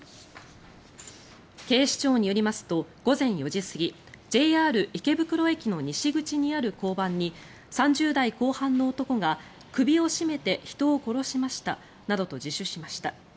警視庁によりますと午前４時過ぎＪＲ池袋駅の西口にある交番に３０代後半の男が首を絞めて人を殺しましたなどと自首しました。